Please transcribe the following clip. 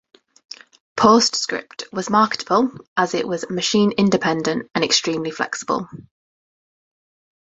PostScript was marketable as it was machine-independent and extremely flexible.